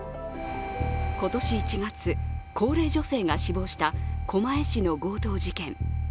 今年１月、高齢女性が死亡した狛江市の強盗事件。